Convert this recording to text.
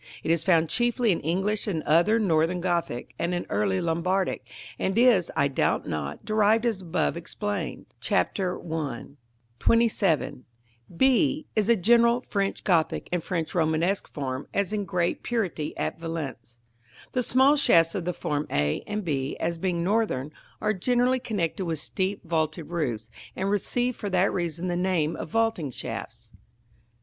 It is found chiefly in English and other northern Gothic, and in early Lombardic, and is, I doubt not, derived as above explained, Chap. I. § XXVII. b is a general French Gothic and French Romanesque form, as in great purity at Valence. The small shafts of the form a and b, as being northern, are generally connected with steep vaulted roofs, and receive for that reason the name of vaulting shafts.